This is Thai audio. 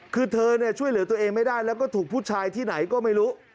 คือเธอช่วยเหลือตัวเองไม่ได้แล้วก็ถูกผู้ชายที่ไหนก็ไม่รู้